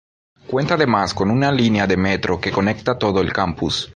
Cuenta además con una línea de metro que conecta todo el campus.